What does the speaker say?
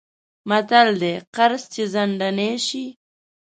متل دی: قرض چې ځنډنی شی...